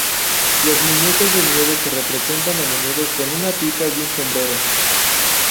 Los muñecos de nieve se representan a menudo con una pipa y un sombrero.